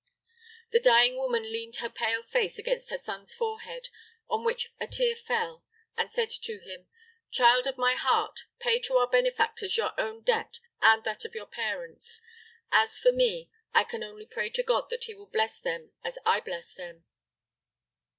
The dying woman leaned her pale face against her son's forehead, on which a tear fell, and said to him, "Child of my heart, pay to our benefactors your own debt and that of your parents; as for me, I can only pray to God that He will bless them as I bless them."